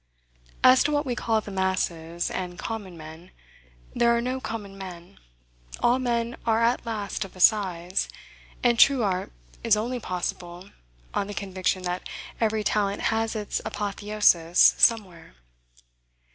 As to what we call the masses, and common men; there are no common men. All men are at last of a size; and true art is only possible, on the conviction that every talent has its apotheosis somewhere.